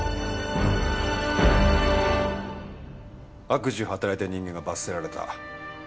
悪事を働いた人間が罰せられた。